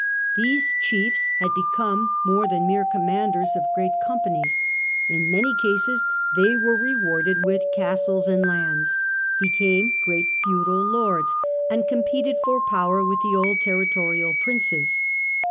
These chiefs had become more than mere commanders of great companies ; in many cases they were rewarded with castles and lands, became great feudal lords, and competed for power with the old terri torial Princes.